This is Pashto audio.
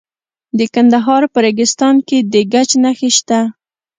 د کندهار په ریګستان کې د ګچ نښې شته.